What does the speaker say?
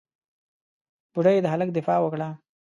بوډۍ د هلک دفاع وکړه.